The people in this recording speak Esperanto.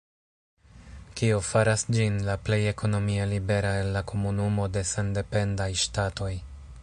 Kio faras ĝin la plej ekonomie libera el la Komunumo de Sendependaj Ŝtatoj.